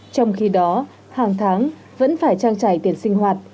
trong khi đó hàng tháng vẫn phải trang trải tiền sinh hoạt